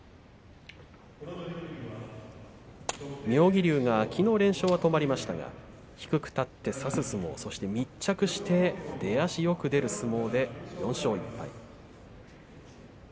妙義龍は、きのう連勝は止まりましたが低く立って差す相撲そして密着して出足よく出る相撲で４勝１敗。